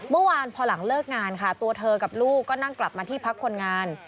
เมื่อวานพอหลังเลิกงานค่ะตัวเธอกับลูกก็นั่งกลับมาที่พักคนงาน